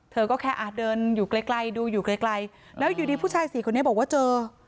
เธอก็แค่อาจเดินอยู่ไกลดูอยู่ไกลแล้วอยู่ดีผู้ชายสี่คนนี้บอกว่าเจอ